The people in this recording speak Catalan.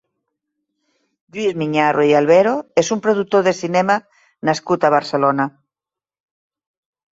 Lluís Miñarro i Albero és un productor de cinema nascut a Barcelona.